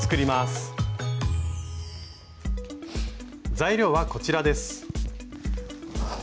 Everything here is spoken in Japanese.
材料はこちらです。